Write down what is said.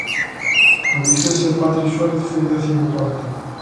A viguesa Patri Suárez foi décimo cuarta.